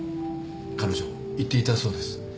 彼女言っていたそうです。